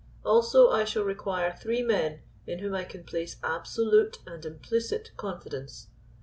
Also I shall require three men in whom I can place absolute and implicit confidence.